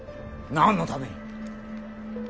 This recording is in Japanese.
何のために。